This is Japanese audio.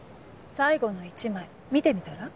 最後の１枚見てみたら？